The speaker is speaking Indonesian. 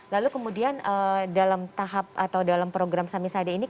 lalu kemudian dalam tahap atau dalam program samisade ini